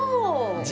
じゃ